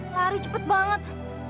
lari cepet banget